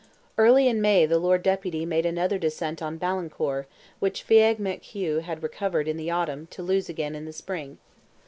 Early in May the Lord Deputy made another descent on Ballincor, which Feagh Mac Hugh had recovered in the autumn to lose again in the spring.